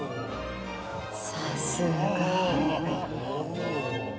さすが。